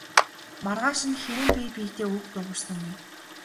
Маргааш нь хэн нь бие биедээ үг дуугарсангүй.